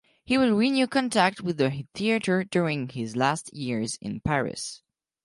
He will renew contact with the theater during his last years in Paris.